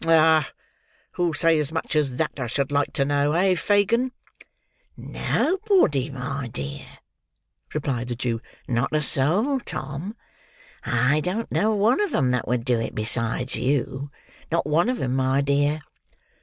Ah! Who'll say as much as that, I should like to know; eh, Fagin?" "Nobody, my dear," replied the Jew; "not a soul, Tom. I don't know one of 'em that would do it besides you; not one of 'em, my dear."